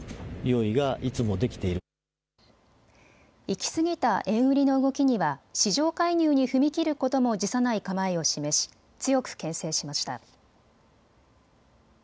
行きすぎた円売りの動きには市場介入に踏み切ることも辞さない構えを示し強くけん制しました。